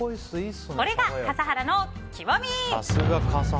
これが笠原の極み。